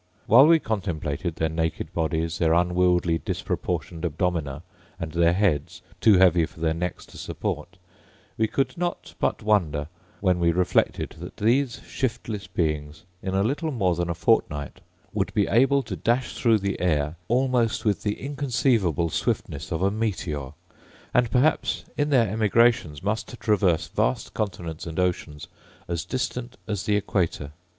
While we contemplated their naked bodies, their unwieldy disproportioned abdomina, and their heads, too heavy for their necks to support, we could not but wonder when we reflected that these shiftless beings in a little more than a fortnight would be able to dash through the air almost with the inconceivable swiftness of a meteor; and perhaps, in their emigration must traverse vast continents and oceans as distant as the equator.